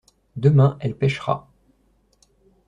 Demain elle pêchera.